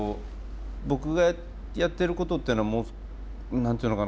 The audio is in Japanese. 僕がやってることっていうのは何て言うのかな